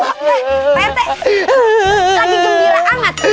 pak rt lagi gembira banget